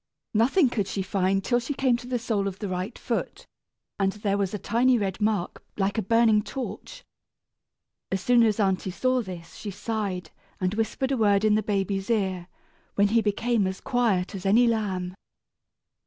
Nothing could she find, till she came to the sole of the right foot, and there was a tiny red mark like a burning torch. As soon as aunty saw this she sighed, and whispered a word in the baby's ear, when he became as quiet as any lamb.